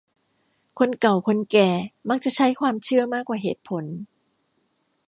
คนเก่าคนแก่มักจะใช้ความเชื่อมากกว่าเหตุผล